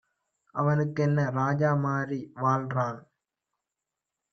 அவனுக்கென்ன ராஜா மாரி வாழ்றான்